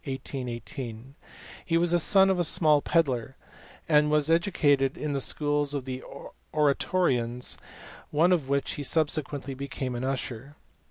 He was the son of a small pedlar, and was educated in the schools of the Oratorians, in one of which he subsequently became an usher.